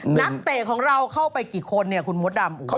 นักเตะของเราเข้าไปกี่คนเนี่ยคุณมดดำ